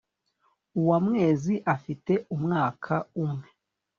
uwamwezi afite umwaka umwe.